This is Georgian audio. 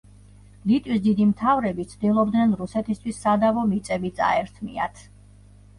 ლიტვის დიდი მთავრები ცდილობდნენ რუსეთისთვის სადავო მიწები წაერთმიათ.